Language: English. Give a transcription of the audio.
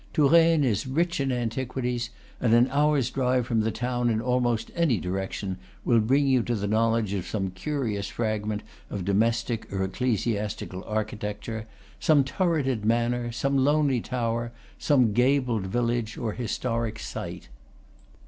Touraine is rich in antiquities; and an hour's drive from the town in almost any direction will bring you to the knowledge of some curious fragment of domestic or ecclesiastical architecture, some turreted manor, some lonely tower, some gabled village, or historic site.